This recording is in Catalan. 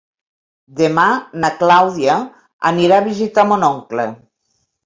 Demà na Clàudia anirà a visitar mon oncle.